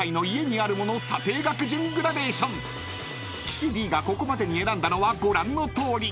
［岸Ｄがここまでに選んだのはご覧のとおり］